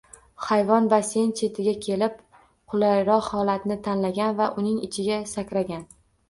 Hayvon basseyn chetiga kelib, qulayroq holatni tanlagan va uning ichiga sakragan